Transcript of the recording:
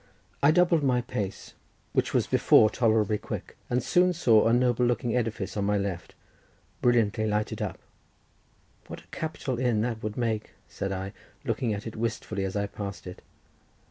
I doubled my pace, which was before tolerably quick, and soon saw a noble looking edifice on my left, brilliantly lighted up. "What a capital inn that would make," said I, looking at it wistfully, as I passed it.